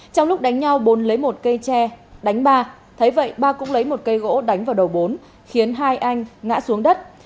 trong lúc đánh nhau bốn lấy một cây tre đánh ba thấy vậy ba cũng lấy một cây gỗ đánh vào đầu bốn khiến hai anh ngã xuống đất